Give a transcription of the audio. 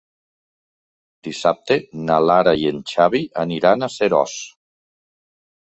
Dissabte na Lara i en Xavi aniran a Seròs.